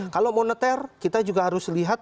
kalau moneter kita juga harus lihat